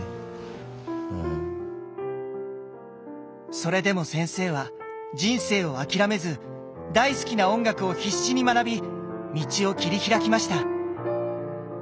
それでも先生は人生を諦めず大好きな音楽を必死に学び道を切り開きました。